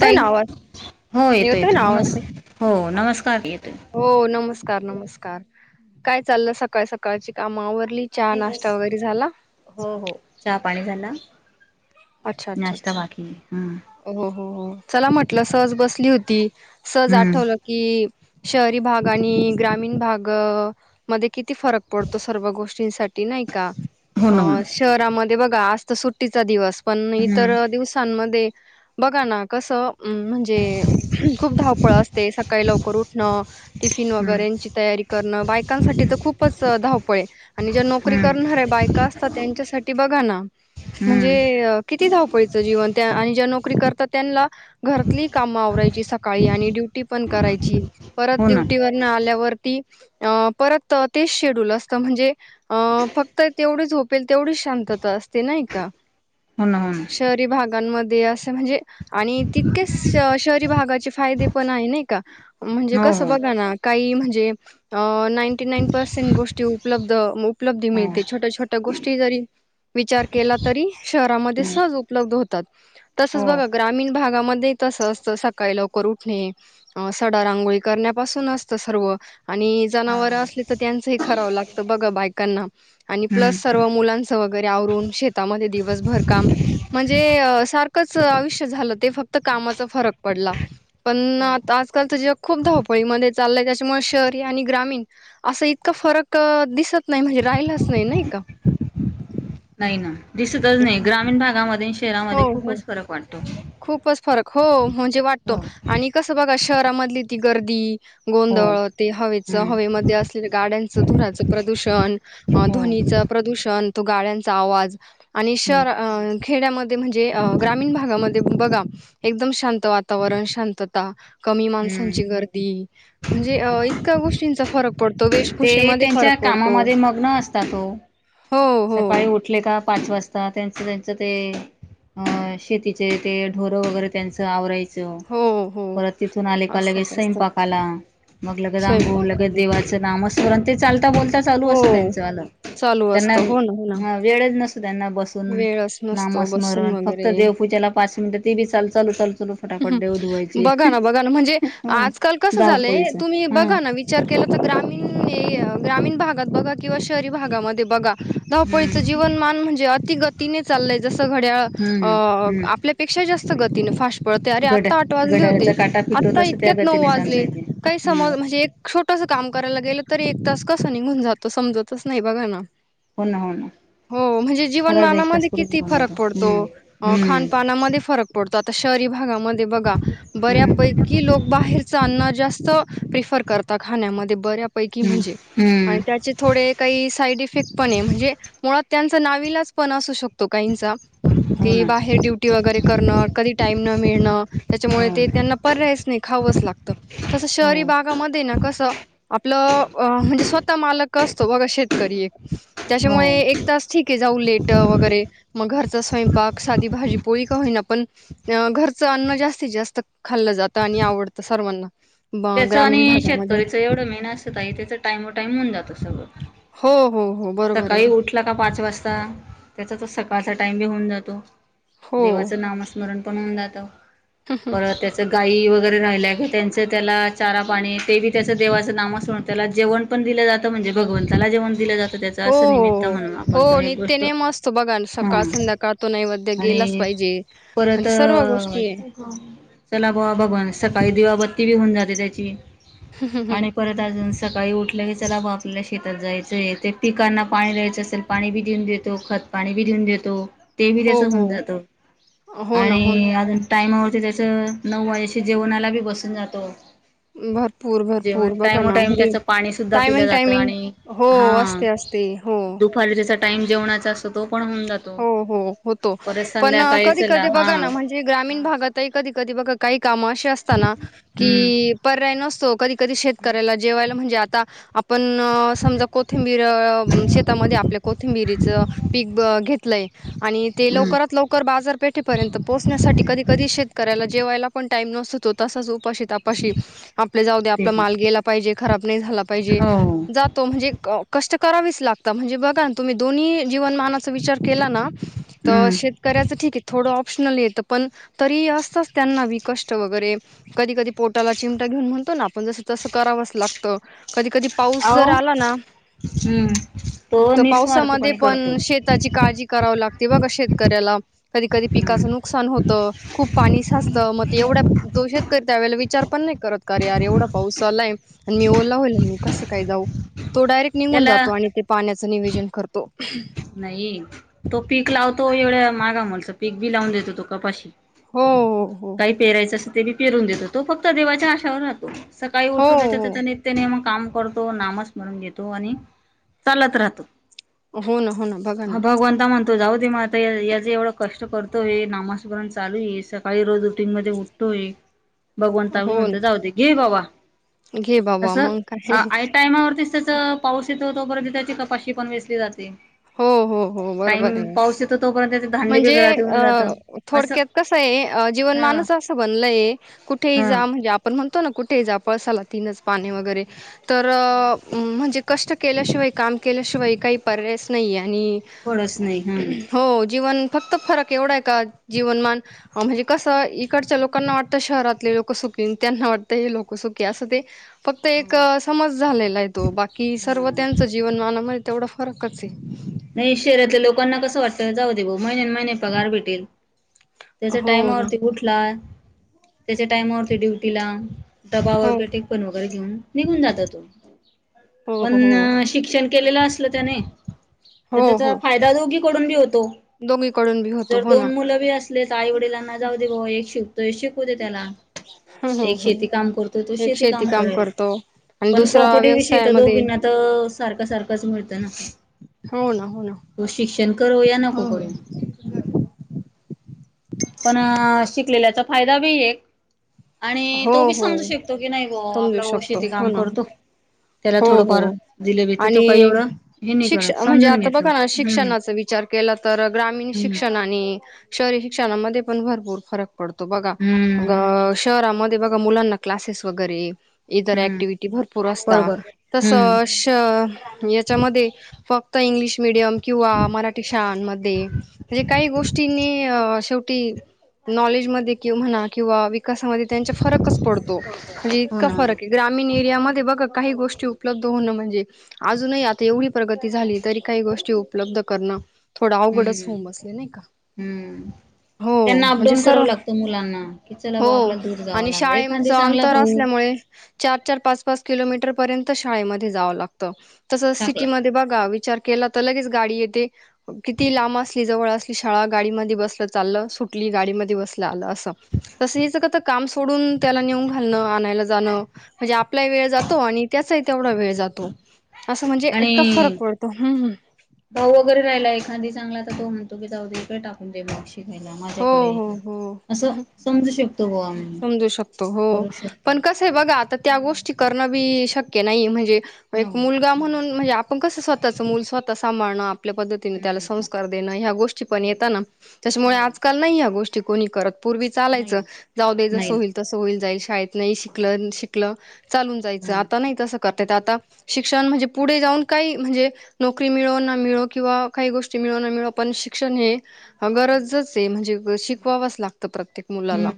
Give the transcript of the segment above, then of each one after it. ताई पण आवा हो येतो येतोय येतो ना आवाज नमस् ताई हो अच्छा, अच्छा, नमस्कार येतोय. काय हो नमस्कार, नमस्कार काय चाललं सकाळ सकाळची कामा आवरली, चहा नाही बस नाश्ता वगैरे झाला हो हो चहा पाणी झाला अच्छा अच्छा नाश्ता अच्छा. बाकी हूं. हो हो हो चला म्हटलं सहज बसली होती सहज आठवलं हम्म की शहरी भाग आणि ग्रामीण भागमध्ये किती फरक पडतो सर्व गोष्टींसाठी नाही का हो ना हो अ ना शहराम ते बघा आज तर सुट्टीचा दिवस पण इतर हम्म दिवसांमध्ये बघा ना कसं म्हणजे खूप धावपळ असते सकाळी लवकर उठणं. टिफिन हम्म वगैरेची तयारी करणं बायकांसाठी तर खूपच धावपळ हे. आणि ज्या नोकरी हम्म करणाऱ्या बायका असं त्यांच्या साठी बघा ना हम्म म्हणजे किती धावपळीच जीवन त्या आणि ज्या नोकरी करता त्यांनला घरातली काम आवरायची सकाळी आणि ड्यु टी पण करायची परत हो ना ड्युटी वरन आल्यावरती अ परत तेच शेड्यूल असतं म्हणजे अ फक्त तेवढी झोपेल तेवढीच शांतता असते नाही का? हो ना हो ना. शहरी भागांमध्ये असे म्हणजे, आणि तितकेच शहरी भागाचे फायदे पण आहे नाही का. म्हणजे हो कस बघा ना काही म्हणजे अ नाईंटी नाईन पर्सेंट गोष्टी उपलब्ध उपलब्धी हो हो मिळते, छोट्या, छोट्या गोष्टी जरी विचार केला तरी शहरामध्ये हम्म सहज उपलब्ध होतात, तसच हो बघा ग्रामीण भागामध्ये तस असत सकाळी लवकर उठणे, सडा रांगोळी करण्यापासून असत सर्व आणि हा जनावर असले त त्यांच हि करावं लागतं बघा बायकांना, हम्म प्लस सर्व मुलांच वगैरे आव रून शेतामध्ये दिवसभर काम म्हणजे अस सारखच आयुष्य झालं ते फक्त कामाचा फरक पडला, पण हो आता आजकालच जग खूप धा वपळी मधे चाललंय त्याच्यामुळे शहरी आणि ग्रामीण, अस इतकं फरक दिसत नाही म्हणजे राहिला स नही का नाही ना दिसतच नाही, ग्रामीण भागामध्ये न हो, शहरामध्ये हो. खूपच फरक वाटतो. खूपच फरक हो म्हणजे वाटतो, हो आणि कसं बघा शहरामधली ती गर्दी हो गोंधळ ते हवेत हम्म हवेमध्ये असलेल्या गाड्यांच धुरांच प्रदूषण हो ध्वनीच अ प्रदूषण तो गाड्यां चा आवाज आणि हम्म शहर अ खेड्यामध्ये म्हणजे ग्रामीण भागामध बघा एकदम शांत वातावरण, शांतता कमी हम्म माणसांची गर्दी म्हणजे अ इतक्या गोष्टींचा फरक पडतो ते वेशभूषेमध्ये त्यांच्या फरक पडतो. कामामध्ये मग्न असतात ओ हो हो सकाळी उठले का पाच वाजता त्यांचं, त्यांचं ते ह शेतीचे ते ढोरं वगैरे त्यांच आवराय च हो हो परत तिथून आले का लगेच असतात असतात संयंपाकाला मग लगेच आंघोळ स्वयंपाक लगेच करणे देवाचं नामस्मरण ते चालता बोल ते चालूच हो असत त्यांचं वाल चालू त्यांना असतं हो ना हो ना हा वेळच नसतो त्याना बस वेळच नसतो बसून नामस्मरण फक्त वगैरे देवपूजेला पाच मिनिटं ते बी चालु चालू चाल हूं बघा ना बघा ना म्हणजे ह आजकाल कसं झालंय, धावपोळीच तुम्ही हा बघा ना विचार केला तच ग्रामीण हे अ ग्रामीण भागात बघा किंवा शहरी भागामध्ये बघा धावपळीच हम्म जीवनमान म्हणजे, अति गतीने चाललंय जसं घड्याळ हम्म हम्म अ आपल्यापेक्षा जास् गतीने फास्ट, बोलतो अरे घड आता आठ वाजले होते, घड्याळाचा काटा फिटतो आता तसं त्या इतक्यात नऊ गतीने चालता वाजले, येते काही हम्म समजल म्हणजे एक छोटं काम करायला गेलंतरी एक तास कसं निघून जातो, समजतच नाही बघा ना, हो ना हो ना, हो म्हणजे बराच एक तास जीवनमानामध्ये पुढे किती निघून फरक जातो पडतो, हम्म खान हम्म पानामध्ये फरक पडतो आता शह री भागामध्ये बघा, हम्म बऱ्यापैकी लोक बाहेरचा अन्न जास्त, तो प्रेफर करतोय, खाण्यामध्ये बर्या, पैकी म्हणजे हम्म हम्म त्याचे थोडे काही साईड इफेक्ट्स पण आहेत, म्हणजे मुळात, त्यांच नालाईलाज पण असू शकतो, काहीचा हो की ना बाहेर ड्युटी वगैरे करणं कधी, टाईम न मिळण त्याच्यामुळे ते त्यांना पर्यायच नाही, खावंच लागतं तसं हो शहरी हो भागामध्ये ना, कसं आपलं म्हणजे स्वतः मालक असतो, बघा शेतकरी एक, हो त्याच्यामुळे एक तास ठीक आहे, जाऊन लेट वगैरे मग घरचा स्वयंपाक साधी भाजी पोळी का होईना पण, अ घरचं अन्न जास्तीत जास्त खाल्लं जातं, आणि आवडतं सर्वांना, ब त्याचं ग्रामीण आणि भागामध्ये शेतकरीचं एवढं मेन असत आहे, त्याच टाइम टूनटाइम होऊन जातं सगळं. हो हो हो बरोबर आहे सकाळी ना उठला का पाच वाजता, का त्यांचा तर सकाळचा टाइम बी होऊन जातो हो देवाच नामस्मरण, होवून जातो परत तर त्यांच गायी वगैरे राहिलेलं असतं, त्यांच त्यांना चारा, आणी ते बी त्याचं देवाचं नामस्मरण, त्यांच त्याला जेवण पण दिलं जातं म्हणजे, भगवंताला जेवण दिलं जातं. त्याच हो असं निमित्त हो हो. म्हणून आपण त हो एक नित्य गोष्ट नेम असतो बघा न, हा, सकाळ संध्याकाळ तो नैवेद्य गेलाच आणि पाहिजे. परत म्हणजे सर्व गोष्टी आहे. चला बुवा डबा, अन सकाळी दिवाबत्ती, ती बी होऊन जाते, त्याची आणि परत अजून सकाळी उठल्या कि चला आपल्याला शेतात जायचं आ, हे ते पिकांना पाणी द्यायचं असेल पाणी देऊन देतो खत पाणी बी देऊन देतो. तो बी हो त्याच हो होवून जातो, हो ना हो ना आणि अजून टाईम उर, त्याच्याशिवाय नऊ वाजेशी जेवणाला बी बसून जातो. भरपूर जेवण भरपूर बघा टाइमो ना टाइम आरे त्याचं पाणी सुद्धा पिलं टायमिंग, जातं टायमिंग आणि हो हा असते असते. ते हो. दुपारी त्याचा टाइम जेवणाचा अस तो पण होऊन जातो. हो, हो होतो परत पण संध्याकाळी कधी चला कधी हा बघा ना, म्हणजे ग्रामीण हा भागातही कधी कधी बघा काही कामं असे अस असत ना हम्म की पर्याय नसतो, कधी कधी शेतकऱ्याला जेवायला म्हणजे आ आता आपण समजा कोथिंबीर, शेतामध्ये आपल्या कोथिंबिरीच पीक घेत लय आणि ते हम्म लवकरात लवकर बाजारपेठेपर्यंत पोहोचण्यासाठी, कधी कधी शेतकऱ्याला जेवायला पण टाईम नसतो, तो तसाच उपाशी तपाशी आपले जाऊ द्या आपला तेच ना माल गेला पाहिजे, खराब नाही झाला पाहिजे. हो जातो म्हणजे कष्ट करावीच लागतं, म्हणजे बघा तुम्ही दोन्ही जीवनमानाचा विचार केला तर हम्म शेतकऱ्याचं ठीक आहे थोडं. ऑप्शनल येत पण तरी ही असतच त्यांना वि कष्ट वगैरे कधी कधी पोटाला चिमटा घेऊन म्हनू म्हणतो ना आपण जसं तसं करावंच लागतं, कधी कधी पाऊस जर अहो आला ना हम्म तो इथ पावसामध्ये निस्वार्थीपणे करतो पण शेताची काळजी कराव लागते बघ शेतकऱ्याला, कधी कधी हम्म पिकाचं नुकसान होत खूप पाणी साचतं मग तो एवढ्यात [unintelligible] त्यावेेळेला विचार पण नाही करत का अरे यार, एवढा पाऊस चालू हाय आणि मी ओला होईल आणि मी कसं काय जाऊ? तो डायरेक्ट निघून त्याला जातो आणि ते पाण्याचं निवेजन करतो. नाही तो पीक लावतो एवढ्या म्हागामोलच पीक बी लावून देतो तो कपाशी हो हो काय पेरायची? तस ते बी पेरून देतो तो फक्त देवाच्या आशावर राहतो. सकाळी हो उठून त्याच्या हो त्याच्या नित्यनेमाक काम करतो नामस्मरण घेतो आणि चालत राहतो. हो ना हो ना बघा ना. तो जाऊ दे मग आता याच एवढं कष्ट करतोय, नामास्मरण चालू ए स सकाळी रोज रुटींग मध्ये उठतोय, भगवानता मी हो ना म्हणतोय जाऊ दे घे बाबा घे बाबा असं मग काय आय टायमावरती त्याच पाऊस तिथं तोपर्यंत त्याची कपाशी पण वेचली जाते. हो. हो हो टाइम बरोबर आहे ना, पाऊस येतो तोपर्यंत त्याचे धान्य बी म्हणजे घरात येऊन जातं असं थोडक्यात कस हाये. जीवन ह मानच असं बनलय कुठेही ह जा, म्हणजे आपण म्हणतो ना कुठेही जा पळसाला तीनच पाणी वगैरे तर म्हणजे कष्ट केल्याशिवाय काम केल्याशिवाय काही परयायच नाहीए आणि थोडंच नाही हम्म हो जीवन फक्त फरक एवढा आहे का जीवनमान म्हणजे कसं? इकडच्या लोकांना वाटतं शहरातले लोक सुख की त्यांना वाटतं हे लोकं सुखी आसं ते फक्त एक समज झालेला आहे, तो बाकी सर्व हा त्यांचं जीवनमानामध्ये तेवढा फरक स [unintelligible] नाही शहरातल्या लोकांना कसं वाटत? जाऊ दे बाबा महिन्या महिने पगार भेटेल. त्याच्या हो ना टायमावरती उठला, त्याच्या टायमावरती ड्युटी ला डबा हो वगैरे टीपन वगैरे घेऊन, निघून जाता तू हो हो पण शिक्षण केलेलं असल त्याने तर हो त्याचा हो. फायदा दोघीकडून बी होतो दोघीकडून बी होतो जर हो ना. दोन मुलं बी अस आपलेच आई वडिलांना जाऊ दे बाबा एक शिकतोय शिक त्याला हम्म हम्म एक हम्म. शेती काम करतो, तो शेती काम करेल आणि पण दुसरा प्रॉपर्टी विषयी तर व्यवसायामध्ये दोघींना तर सारखं सारखंच मिळतं ना हो ना हो ना. तो शिक्षण करू या नको करू पण शिकलेल्याचा फायदा बी एक आणि हो तो बी हो समजू शकतो की, नाही ग समजू आपला भाऊ शकतो शेती हो काम ना करतो. त्याला हो थोडंफार हो. दिलेबीेत तो काही आणि एवढं हे नाही शिक्ष करत म्हणजे समजून आता घेतो बघा ना हम्म शिक्षणाचा विचार केला तर ग्रामीण हम्म शिक्षण आणि शहरी शिक्षणामध्ये पण भरपूर फरक पडतो बघा. हम्म ग शहरामध्ये बघा, मुलांना क्लासेस वगैरे - इतर हम्म ऍक्टिव्हटी भरपूर असता. बरोबर तस हम्म श याच्यामध्ये फक्त इंग्लिश मीडियम किंवा मराठी शाळांमध्ये म्हणजे काही, गोष्टी नि शेवटी, नॉलेज मध्ये म्हणा किंवा, विकासामध्ये त्याच्या फरकच पडतो, म्हणजे इत, हो ना अजूनही आता एवढी प्रगती झाली, तरी उपलब्ध करणार, थोडं अवघडच हम्म होऊन बसल. नई का? हम्म. हो त्यांना म्हणजे अपडाऊन सर्व करावं लागतं. मुलांना, चला भाऊ हो, आपल्याला दूर जावं आणि लागलं शाळेच एखादी चांगला अंतर भाऊ असल्यामुळे, चार-चार- पाच - पाच किलोमीटर पर्यंत शाळे मध्ये जावं लागत, तसं सिटी चांगला मध्ये बघाविचार, केला, तर लगेच गाडी येते. कितीही लांब असली, जवळ असली शाळा. गाडी मधे बसलं चाललं. सुटली आणि गाडीमध्ये बसला आलं असं, तसं हीत काम सोडून त्याला नेऊन घालणा, ह्याला जाणं, म्हणजे आपलाही वेळ जातो, आणि त्याचाही तेवढा वेळ जातो. असं म्हणजे आणि. इतका फरक पडतो हम्म भाऊ वगैरे राहीला एखादी चांगला, तर तो - तो बी जाऊदे की टाकून दे मावशे, राहायला हो माझ्याकडे हो हो असं समजू शकतो बा, मी करू शकतो, कसंय बघा, त्या हम्म गोष्टी करनं बी - शक्य नाही. म्हणजे एक नऊ मुलगा हम्म म्हणून, म्हणजे आपण कसं स्वतःच मूल स्वतः सांभाळणं - आपल्या पद्धतीने त्याला हम्म संस्कार देणं, ह्या गोष्टी पण हो येता न. त्याच्यामुळे हो आजकाल नाही ह्या गोष्टी कोणी करत. पूर्वी नाही चालायचं ना जाऊ दे, नाही जसं होईल ना तसं होईल. जाईल शाळेत नाही शिकलं, शिकलं चालून जायचं. आता हम्म नाही तसं करता येत. आता - शिक्षण म्हणजे पुढे जाऊन काही म्हणजे, नोकरी मिळो ना मिळो किंवा काही गोष्टी म्हणून पण शिक्षण, शिक्षण हे गरजेचं, ते म्हणजे ग शिकवावाच लागत प्रत्येक मुलाला हम्म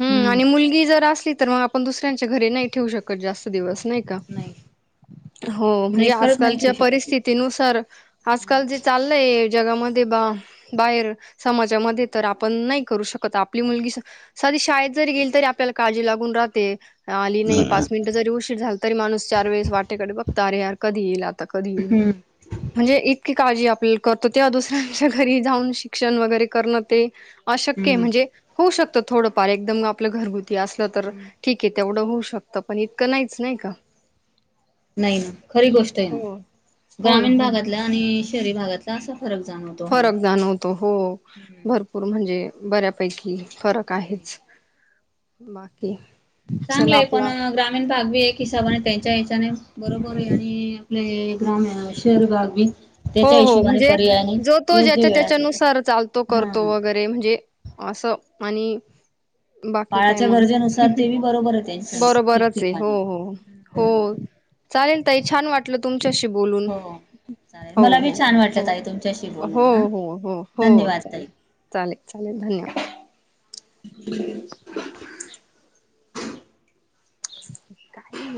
हम्म आणि मुलगी जर असली तर मग आपण दुसऱ्यांच्या घरी नाही ठेवू शकत जास्त दिवस. नाही का? नाही हो, म्हणजे नाही खरंच नाही आजकालच्या ठेवू शकत ना परिस्थितीनुसार आजकाल जे हम्म चाललंय - जगामध्ये बाहे बाहेर समाज हिच्यामधे तर आपण नाही करू शकत. आपली मुलगी सादी शाळेला जरी गेली काळजी लागून राहते. आली नाही. पाच मिनिटं जरी उशीर झाला, तरी माणूस चार वेळेस वाटेकडे बघता. अरे, यार, कधी येईल? तर कधी येईल. हम्म म्हणजे इ काळजी आपल्याला करतो. ते दुसऱ्यांच्या घरी जाऊन शिक्षण वगैरे करण. ते - अशक्य. हम्म म्हणजे होऊ शकतं, थोडंफार एकदम आपलं घरगुती असलं, तर हम्म. ठीक आहे. तेवढं होऊ - शकतं, पण इतकं नाहीच. नाही का? नाही. खरी गोष्ट आहे न. हो हो ना ग्रामीण हो ना भागातला आणि शहरी भागातला असा फरक - फरक जाणवतो. हो, हम्म भरपूर म्हणजे बऱ्यापैकी, फरक. काहीच तेच बाकी - चांगलंय, पण ग्रामीण भाग बी एक हिसाबाने, त्यांच्या हिच्याने - बरोबर आहे, आणि आपले ग्राम, शहर भाग बी - हो. हो, म्हणजे जो-तो वेळात येतो. ज्याच्या-त्याच्यानुसार चालतो, हा करतो वगैरे म्हणजे - असं. आणि... बाकी काय? काळाच्या मंग गरजेनुसार ते बी बरोबर आहे त्यांच बरोबरच हे. हो, ठिकठिकाणी. हो, हम्म. हो. चालेल. ताई, छान! वाटलं तुमच्याशी बोलून. हो चालेल हो मला बी हो, छान हो. वाटलं ताई तुमच्याशी हो बोलून हा हो हो. हो, धन्यवाद ताई. चालेल. चालेल चालेल. धन्यवाद